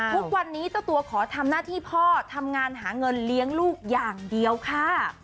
ทุกวันนี้เจ้าตัวขอทำหน้าที่พ่อทำงานหาเงินเลี้ยงลูกอย่างเดียวค่ะ